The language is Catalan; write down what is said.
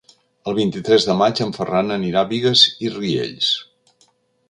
El vint-i-tres de maig en Ferran anirà a Bigues i Riells.